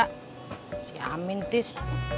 kesian amin tis